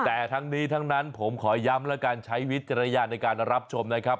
แต่ทั้งนี้ทั้งนั้นผมขอย้ำแล้วกันใช้วิจารณญาณในการรับชมนะครับ